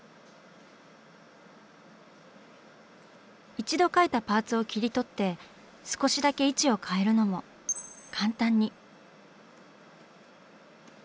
一度描いたパーツを切り取って少しだけ位置を変えるのも簡単に。